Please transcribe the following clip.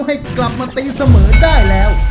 ให้กลับมาตีเสมอได้แล้ว